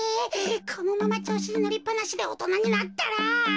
このままちょうしにのりっぱなしでおとなになったら。